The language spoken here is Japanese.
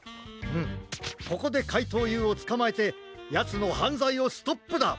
うんここでかいとうＵをつかまえてやつのはんざいをストップだ！